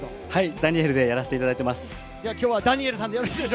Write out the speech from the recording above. ダニエルでやらせていただいています。